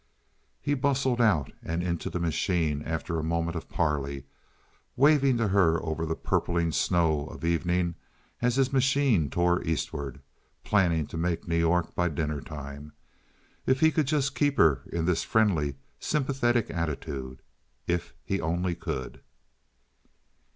He bustled out and into the machine after a moment of parley, waving to her over the purpling snow of the evening as his machine tore eastward, planning to make New York by dinner time. If he could just keep her in this friendly, sympathetic attitude. If he only could!